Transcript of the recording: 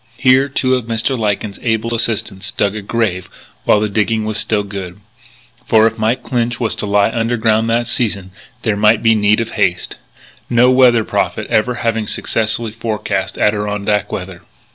Here two of Mr. Lyken's able assistants dug a grave while the digging was still good; for if Mike Clinch was to lie underground that season there might be need of haste no weather prophet ever having successfully forecast Adirondack weather.